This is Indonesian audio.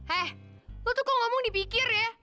eh lo tuh kok ngomong dipikir ya